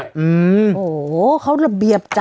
โหเขาระเบียบจัด